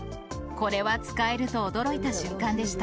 これは使えると驚いた瞬間でした。